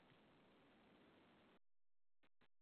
Haliyam biqinda askolka bor!